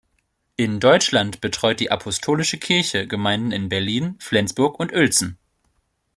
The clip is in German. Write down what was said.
In Deutschland betreut die Apostolische Kirche Gemeinden in Berlin, Flensburg und Uelzen.